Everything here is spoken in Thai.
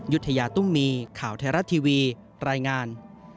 ยุธยาตุ้มมีข่าวไทยรัฐทีวีรายงาน